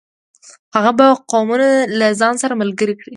هغه به قوتونه له ځان سره ملګري کړي.